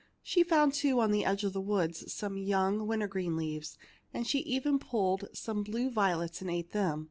She found, too, on the edge of the woods, some young win tergreen leaves, and she even pulled some blue violets and ate them.